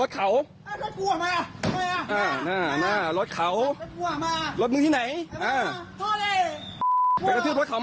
กระทืบรถเขา